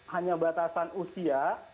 hanya batasan usia